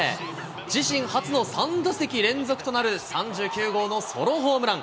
自身初の３打席連続となる、３９号のソロホームラン。